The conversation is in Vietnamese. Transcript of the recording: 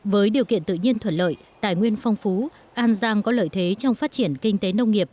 với điều kiện tự nhiên thuận lợi tài nguyên phong phú an giang có lợi thế trong phát triển kinh tế nông nghiệp